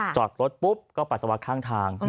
จอดรถปุ๊บก็ปัสสาวะข้างทาง